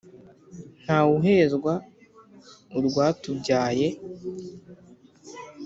ntawuhezwa urwatubyaye,